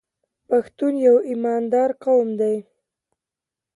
پښتون یو ایماندار قوم دی.